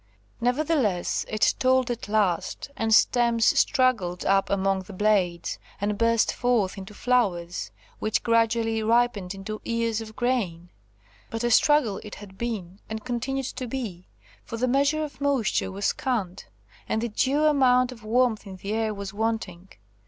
Nevertheless it told at last, and stems struggled up among the blades, and burst forth into flowers, which gradually ripened into ears of grain. But a struggle it had been, and continued to be, for the measure of moisture was scant, and the due amount of warmth in the air was wanting.